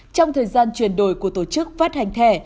trong thời gian chuyển đổi của tổ chức phát hành thẻ